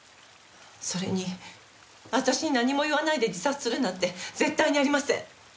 それに私に何も言わないで自殺するなんて絶対にありません。